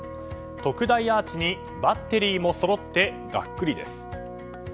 特大アーチにバッテリーもそろってがっくりです。